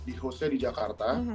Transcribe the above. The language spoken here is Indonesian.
di hostnya di jakarta